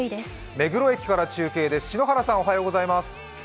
目黒駅から中継です。